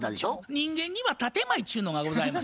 人間には建て前っちゅうのがございますよ。